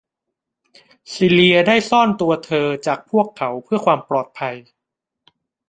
ซีเลียได้ซ่อนตัวเธอจากพวกเขาเพื่อความปลอดภัย